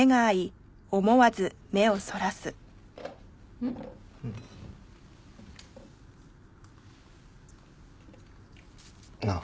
ううん。なあ。